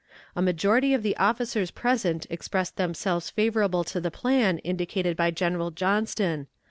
A majority of the officers present expressed themselves favorable to the plan indicated by General Johnston.